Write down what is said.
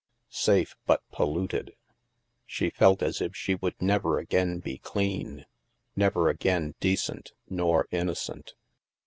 Safe, but polluted! She felt as if she would never again be clean, never again decent nor inno cent.